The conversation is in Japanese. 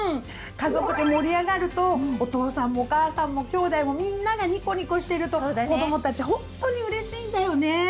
家族で盛り上がるとお父さんもお母さんもきょうだいもみんながニコニコしてると子どもたちほんとにうれしいんだよね！